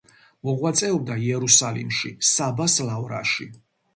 მოღვაწეობდა იერუსალიმში, საბას ლავრაში.